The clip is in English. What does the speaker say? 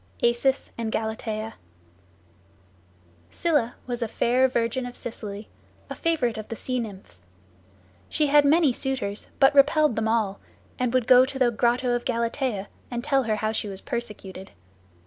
ACIS AND GALATEA Scylla was a fair virgin of Sicily, a favorite of the Sea Nymphs. She had many suitors, but repelled them all, and would go to the grotto of Galatea, and tell her how she was persecuted.